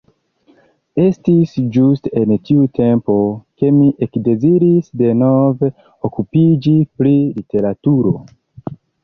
Estis ĝuste en tiu tempo, ke mi ekdeziris denove okupiĝi pri literaturo.